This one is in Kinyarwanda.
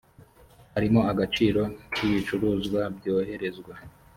harimo agaciro k ibicuruzwa byoherezwa